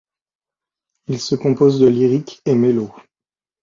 Il se compose de Lyrik et Mélo.